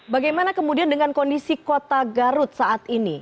bagaimana kemudian dengan kondisi kota garut saat ini